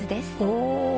おお！